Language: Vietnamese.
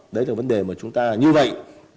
đấy là vấn đề mà chúng ta như vậy